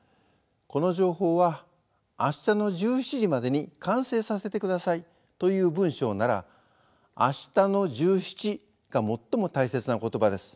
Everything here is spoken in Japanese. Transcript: この情報は明日の１７時までに完成させてくださいという文章なら「明日の１７」が最も大切な言葉です。